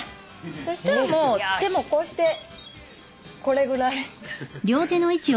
そしたらもう手もこうしてこれぐらい速く。